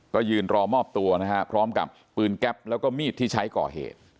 ก็ยืนรอมอบตัวนะฮะพร้อมกับปืนแก๊ปแล้วก็มีดที่ใช้ก่อเหตุ